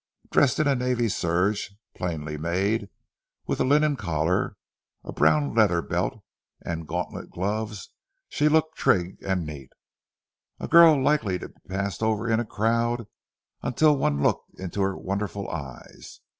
Dressed in a navy serge plainly made, with a linen collar, a brown leathern belt, and gauntlet gloves, she looked trig and neat. A girl likely to be passed over in a crowd until one looked into her wonderful eyes.